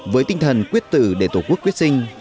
với tinh thần quyết tử để tổ quốc quyết sinh